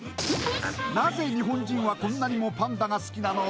なぜ日本人はこんなにもパンダが好きなの？